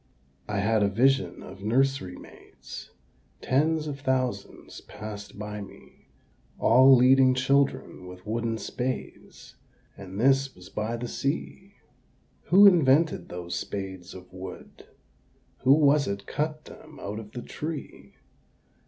I had a vision of nursery maids; Tens of thousands passed by me All leading children with wooden spades, And this was by the Sea. Who invented those spades of wood? Who was it cut them out of the tree?